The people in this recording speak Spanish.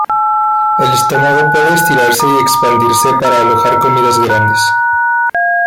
El estómago puede estirarse y expandirse para alojar comidas grandes.